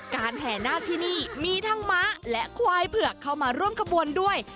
แห่นาคที่นี่มีทั้งม้าและควายเผือกเข้ามาร่วมขบวนด้วย